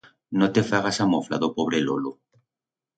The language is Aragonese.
No te fagas a mofla d'o pobre lolo.